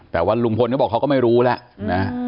แต่ว่าลุงพลก็บอกเขาก็ไม่รู้แล้วนะ